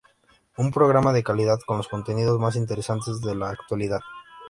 Un programa de calidad, con los contenidos más interesantes de la actualidad.